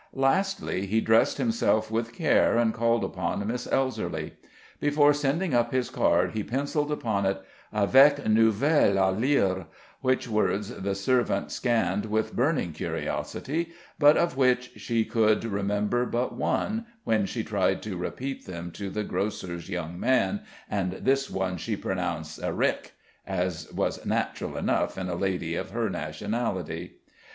Lastly, he dressed himself with care and called upon Miss Elserly. Before sending up his card, he penciled upon it "avec nouvelles a lire," which words the servant scanned with burning curiosity, but of which she could remember but one, when she tried to repeat them to the grocer's young man, and this one she pronounced "arick," as was natural enough in a lady of her nationality.